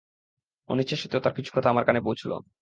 অনিচ্ছা সত্ত্বেও তার কিছু কথা আমার কানে পৌঁছল।